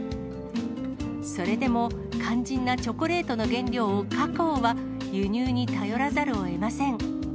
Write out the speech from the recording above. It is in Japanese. それでも肝心なチョコレートの原料、カカオは、輸入に頼らざるをえません。